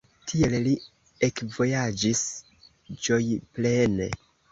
Tiel li ekvojaĝis ĝojplene.